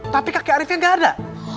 tapi kakek ariefnya nggak ada